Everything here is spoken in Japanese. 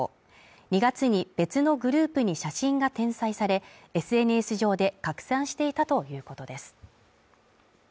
２月に別のグループに写真が転載され、ＳＮＳ上で拡散していたということです。